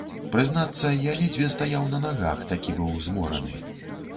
Прызнацца, я ледзьве стаяў на нагах, такі быў змораны.